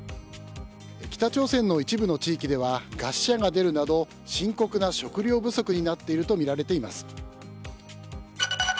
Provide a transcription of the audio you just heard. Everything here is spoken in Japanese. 北朝鮮の一部の地域では餓死者が出るなど深刻な食糧不足になっているとみられています。